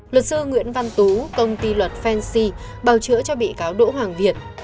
luật sư nguyễn văn tú công ty luật fanci bào chữa cho bị cáo đỗ hoàng việt